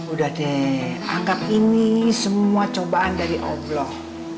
udah deh angkat ini semua cobaan dari allah